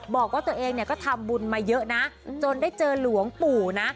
บอกว่าตัวเองเนี่ยก็ทำบุญมาเยอะนะจนได้เจอหลวงปู่นะ